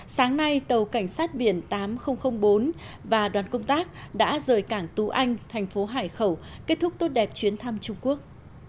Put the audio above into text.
sáng nay tàu cảnh sát biển tám nghìn bốn và đoàn công tác đã rời cảng tú anh thành phố hải khẩu kết thúc tốt đẹp chuyến thăm trung quốc